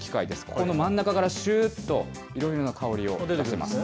この真ん中からしゅーっと、いろいろな香りを出せます。